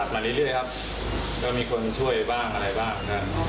มาเรื่อยครับก็มีคนช่วยบ้างอะไรบ้างครับ